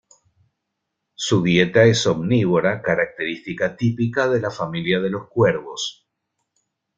Su dieta es omnívora, característica típica de la familia de los cuervos.